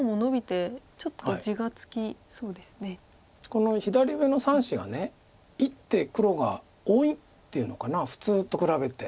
この左上の３子が１手黒が多いっていうのかな普通と比べて。